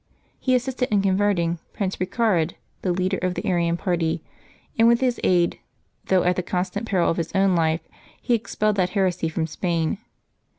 He assisted in converting Prince Eecared, the leader of the Arian party; and with his aid, though at the con stant peril of his own life, he expelled that heresy from Spain.